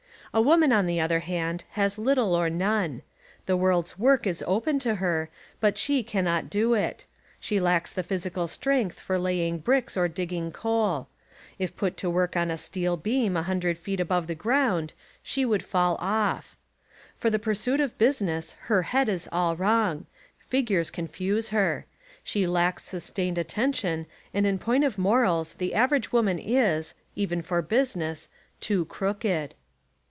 A woman, on the other hand, has little or none. The world's work is open to her, but she cannot do it. She lacks the physical strength for laying bricks or digging coal. If put to work on a steel beam a hundred feet above the ground, she would fall off. For the pursuit of business her head is all wrong. Fig ures confuse her. She lacks sustained atten tion and in point of morals the average woman is, even for business, too crooked.